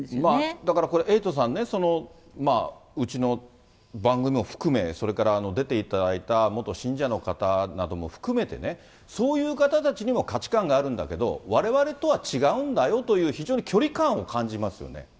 だからこれ、エイトさんね、うちの番組も含め、それから出ていただいた元信者の方なども含めてね、そういう方たちにも価値観があるんだけれども、われわれとは違うんだよという、非常に距離感を感じますよね。